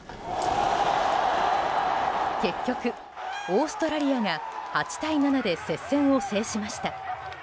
結局、オーストラリアが８対７で接戦を制しました。